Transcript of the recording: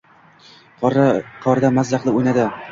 Qorda mazza qilib o'ynadi